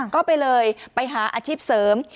ก็เลยไปหาอาชีพเสริม